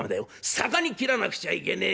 逆に斬らなくちゃいけねえ。